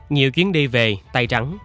nhiều chuyến đi về tay trắng